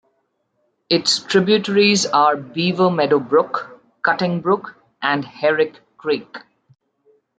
Its tributaries are Beaver Meadow Brook, Cutting Brook and Herrick Creek.